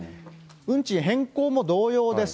運賃変更も同様です。